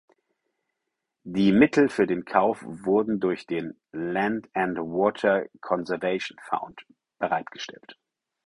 Die Mittel für den Kauf wurden durch den "Land and Water Conservation Fund" bereitgestellt.